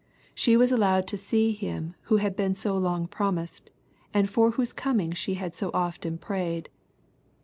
She was allowed to see Him who had been so long promised, and for whose coming she had so often prayed.